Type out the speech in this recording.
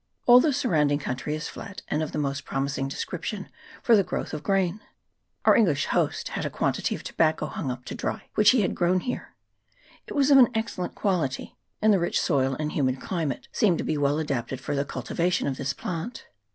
All the surrounding country is flat, and of the most promising description for the growth of grain. Our English host had a quantity of tobacco hung up to dry, which he had grown here : it was of an excellent quality, and the rich soil and humid climate seem to be well adapted for the cultivation of this plant.